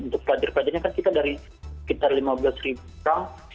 untuk pelajar pelajarnya kan kita dari sekitar lima belas ribu orang